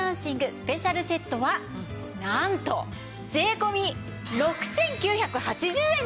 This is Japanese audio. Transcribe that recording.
スペシャルセットはなんと税込６９８０円です。